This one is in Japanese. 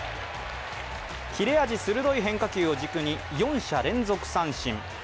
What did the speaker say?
切れ味鋭い変化球を軸に４者連続三振。